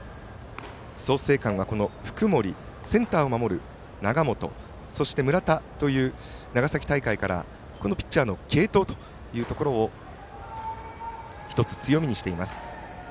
創成館は福盛センターを守る永本そして村田という長崎大会からピッチャーの継投というところを強みにしています。